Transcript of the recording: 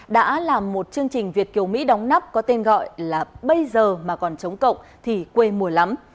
đã làm một chương trình việt kiều mỹ đóng nắp có tên gọi là bây giờ mà còn chống cộng thì quê mùa lắm